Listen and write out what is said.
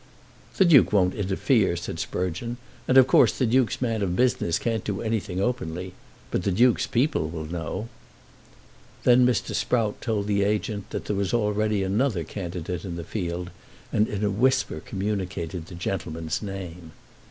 "The Duke won't interfere," said Sprugeon; "and, of course, the Duke's man of business can't do anything openly; but the Duke's people will know." Then Mr. Sprout told the agent that there was already another candidate in the field, and in a whisper communicated the gentleman's name.